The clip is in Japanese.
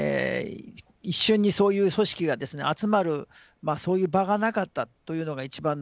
一緒にそういう組織が集まるそういう場がなかったというのが一番の問題だと思います。